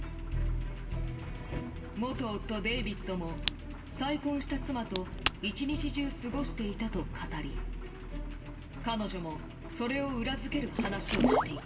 元夫デイビッドも再婚した妻と１日中過ごしていたと語り彼女もそれを裏付ける話をしていた。